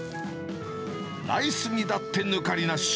ライスにだって抜かりなし。